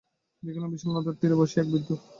দেখিলাম, বিশাল নদের তীরে বসিয়া এক বৃদ্ধ।